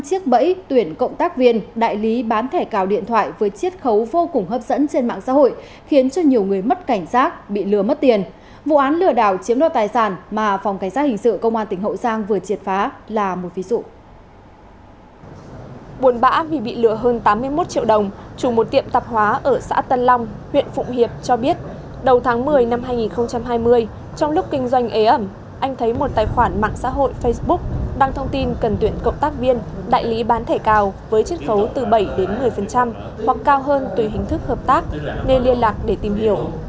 chủ một tiệm tạp hóa ở xã tân long huyện phụng hiệp cho biết đầu tháng một mươi năm hai nghìn hai mươi trong lúc kinh doanh ế ẩm anh thấy một tài khoản mạng xã hội facebook đăng thông tin cần tuyển cộng tác viên đại lý bán thẻ cào với chiếc khấu từ bảy đến một mươi hoặc cao hơn tùy hình thức hợp tác nên liên lạc để tìm hiểu